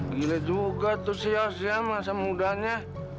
gila juga tuh si yos ya masa mudanya